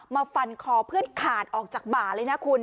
ฟันคอเพื่อนขาดออกจากบ่าเลยนะคุณ